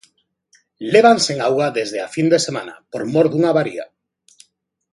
Levan sen auga desde a fin de semana, por mor dunha avaría.